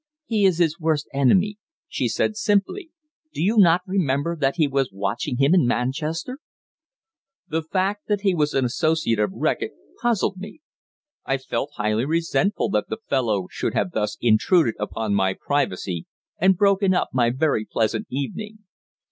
"He is his worst enemy," she said simply. "Do you not remember that he was watching him in Manchester?" The fact that he was an associate of Reckitt puzzled me. I felt highly resentful that the fellow should have thus intruded upon my privacy and broken up my very pleasant evening.